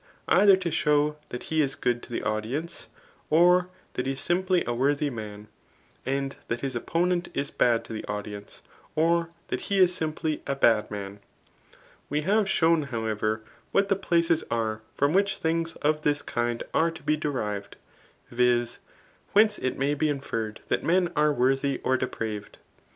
either to show that he is good to the audience, or that he is simply a worthy man ; and that his opponent is bad to the audience, or that he is simply a bad man* We have shown, how ever, what the places are from which things of this kind are to be derived, viz* whence it may be inferred that men are worthy or depraved.